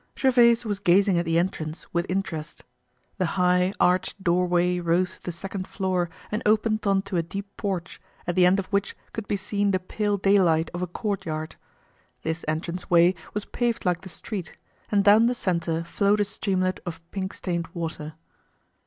Gervaise was gazing at the entrance with interest. The high, arched doorway rose to the second floor and opened onto a deep porch, at the end of which could be seen the pale daylight of a courtyard. This entranceway was paved like the street, and down the center flowed a streamlet of pink stained water.